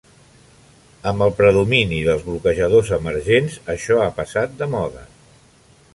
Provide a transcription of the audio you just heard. Amb el predomini dels bloquejadors emergents, això ha passat de moda.